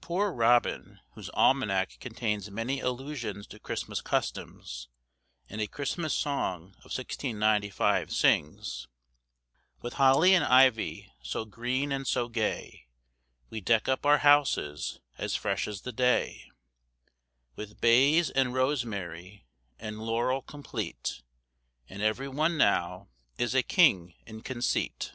Poor Robin, whose Almanac contains many allusions to Christmas customs, in a Christmas song of 1695, sings, "With holly and ivy So green and so gay, We deck up our houses As fresh as the day; With bays and rosemary, And laurel compleate, And every one now Is a king in conceite."